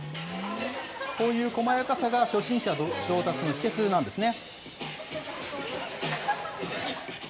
こういう細やかさが初心者上達の秘けつなんですね。